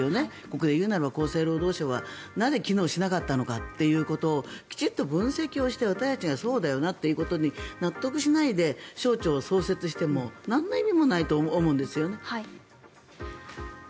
ここでいうなら厚生労働省はなぜ機能しなかったのかということをきちんと分析をして私たちがそうだよなと納得しないで省庁を創設してもなんの意味もないと思うんですよね。